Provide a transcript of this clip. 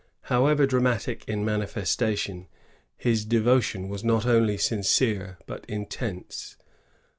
However dramatic in manifestation, his devotion was not only sincere but intense.